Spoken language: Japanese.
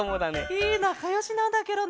へえなかよしなんだケロね。